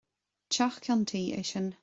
Teach ceann tuí é sin.